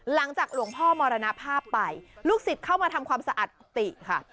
หลังจากหลวงพ่อมรณภาพไปลูกศิษย์เข้ามาทำความสะอาดกุฏิค่ะ